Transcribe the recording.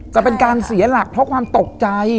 จะเป็นการเสียหลักเพราะความตกใจ